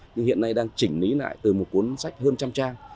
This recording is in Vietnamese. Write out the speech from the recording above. nhưng hiện nay đang chỉnh lý lại từ một cuốn sách hơn trăm trang